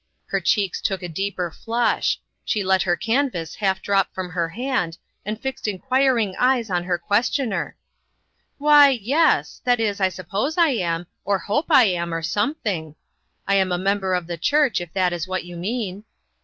Her cheeks took a deeper flush; she let her canvas half drop from her hand, and fixed inquiring eyes on her questioner. " Why, yes ; that is, I suppose I am, or hope I am, or something ; I am a member of the church, if that is what you mean."